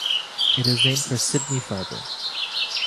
It is named for Sidney Farber.